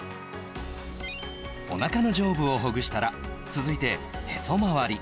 お腹の上部をほぐしたら続いてへそ周り